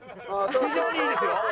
非常にいいですよ。